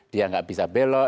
dia enggak bisa belok